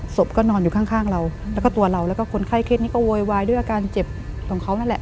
ก็นอนอยู่ข้างเราแล้วก็ตัวเราแล้วก็คนไข้เคสนี้ก็โวยวายด้วยอาการเจ็บของเขานั่นแหละ